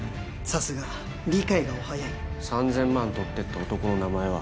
さすが理解がお早い３０００万取ってった男の名前は？